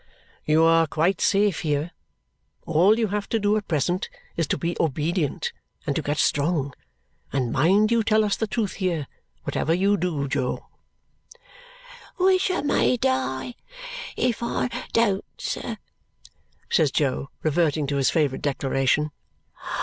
"You are quite safe here. All you have to do at present is to be obedient and to get strong. And mind you tell us the truth here, whatever you do, Jo." "Wishermaydie if I don't, sir," says Jo, reverting to his favourite declaration.